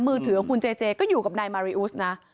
มือถือของคุณเจเจก็อยู่กับนายมาริอุสนะ